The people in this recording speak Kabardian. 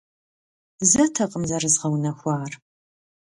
Зэтэкъым зэрызгъэунэхуар.